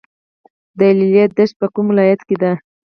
د لیلی دښته په کوم ولایت کې ده؟